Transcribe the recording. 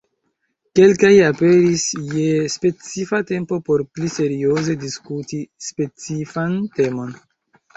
Kelkaj aperis je specifa tempo por pli serioze diskuti specifan temon.